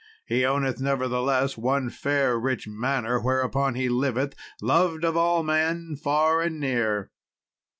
He owneth, nevertheless, one fair rich manor, whereupon he liveth, loved of all men far and near.